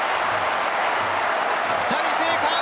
２人生還。